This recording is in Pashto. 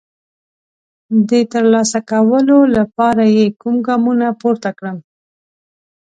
د ترلاسه کولو لپاره یې کوم ګامونه پورته کړم؟